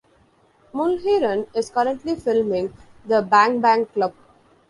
Mulheron is currently filming "The Bang Bang Club".